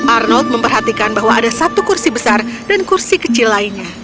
arnold memperhatikan bahwa ada satu kursi besar dan kursi kecil lainnya